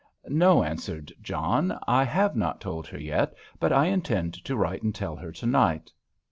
"No," answered John, "I have not told her yet, but I intend to write and tell her to night."